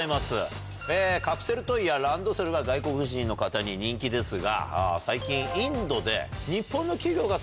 カプセルトイやランドセルが外国人の方に人気ですが最近。